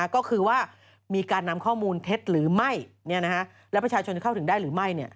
ก็คือว่ามีการนำข้อมูลเท็จหรือไม่และประชาชนจะเข้าถึงได้หรือไม่